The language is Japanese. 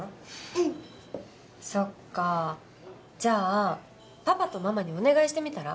じゃあパパとママにお願いしてみたら？